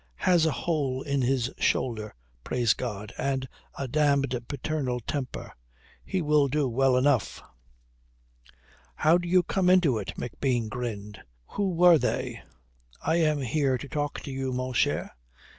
"Has a hole in his shoulder, praise God, and a damned paternal temper. He will do well enough." "How do you come into it?" McBean grinned. "Who were they?" "I am here to talk to you, mon cher.